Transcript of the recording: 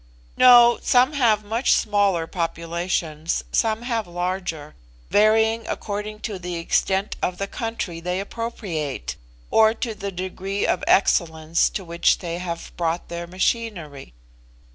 "No; some have much smaller populations, some have larger varying according to the extent of the country they appropriate, or to the degree of excellence to which they have brought their machinery.